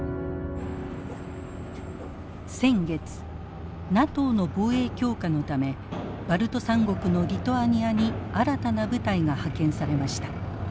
先月ＮＡＴＯの防衛強化のためバルト三国のリトアニアに新たな部隊が派遣されました。